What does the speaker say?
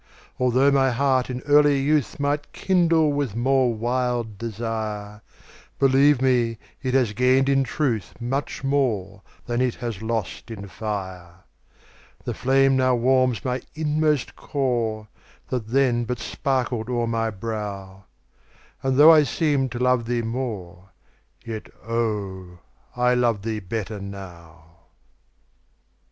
Altho' my heart in earlier youth Might kindle with more wild desire, Believe me, it has gained in truth Much more than it has lost in fire. The flame now warms my inmost core, That then but sparkled o'er my brow, And, though I seemed to love thee more, Yet, oh, I love thee better now.